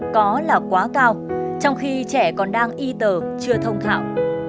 nó là quá cao trong khi trẻ còn đang y tờ chưa thông khảo